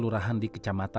jumlah di lag marko